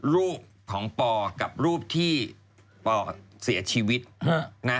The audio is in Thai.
รูปของปอกับรูปที่ปอเสียชีวิตนะ